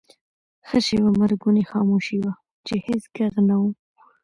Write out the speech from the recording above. ښه شیبه مرګونې خاموشي وه، چې هېڅ ږغ نه و.